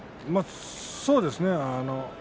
そうですね。